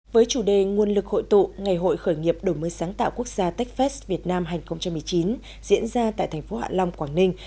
với chủ đề nguồn lực hội tụ ngày hội khởi nghiệp đổi mới sáng tạo quốc gia techfest việt nam hai nghìn một mươi chín diễn ra tại thành phố hạ long quảng ninh